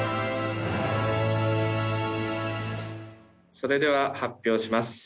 それでは発表します。